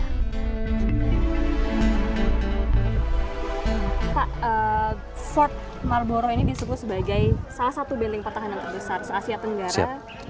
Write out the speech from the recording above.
fort marlborough ini disebut sebagai salah satu benteng pertahanan terbesar se asia tenggara